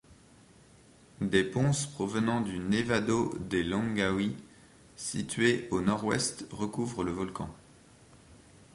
Des ponces provenant du Nevado de Longaví situé au nord-ouest recouvrent le volcan.